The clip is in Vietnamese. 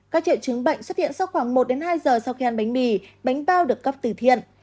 các triệu chứng bệnh xuất hiện sau khoảng một đến hai giờ sau khi ăn bánh mì bánh bao được cấp từ thiện